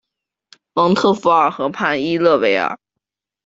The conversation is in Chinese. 蒙特福尔河畔伊勒维尔。